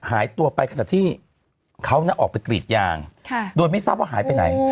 หายตัวไปขณะที่เขาออกไปกรีดยางโดยไม่ทราบว่าหายไปไหน